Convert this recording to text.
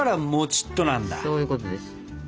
そういうことです。